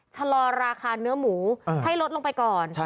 ชะลอราคาเนื้อหมูให้ลดลงไปก่อน